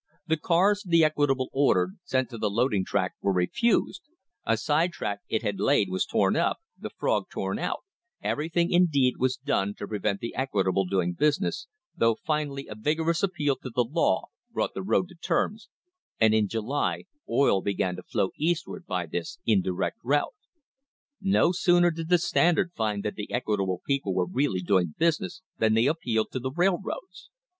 The cars the Equitable ordered sent to the loading track were refused, a side track it had laid was torn up, the frog torn out; everything, indeed, was done to prevent the Equitable doing business, though finally a vigorous appeal to the law brought the road to terms, and in July oil began to flow Eastward by this indirect route. No sooner did the Standard find that the Equitable people were really doing business than they appealed to the railroads.